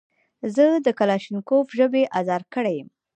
زه د کلاشینکوف ژبې ازار کړی یم.